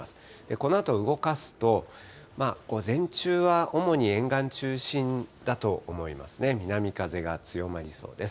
このあと動かすと、午前中は主に沿岸中心だと思いますね、南風が強まりそうです。